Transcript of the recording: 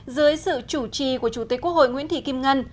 dưới sự chủ trì của chủ tịch quốc hội nguyễn thị kim ngân